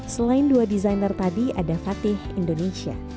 selain dua desainer tadi ada fatih indonesia